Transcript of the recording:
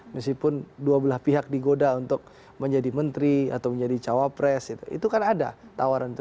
meskipun dua belah pihak digoda untuk menjadi menteri atau menjadi cawapres itu kan ada tawaran itu